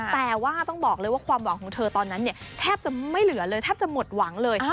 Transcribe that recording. แต่ว่าต้องบอกเลยว่าความหวังของเธอตอนนั้นเนี่ยแทบจะไม่เหลือเลยแทบจะหมดหวังเลย